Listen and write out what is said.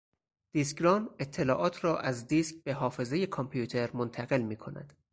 دیسکران اطلاعات رااز دیسک به حافظهی کامپیوتر منتقل میکند.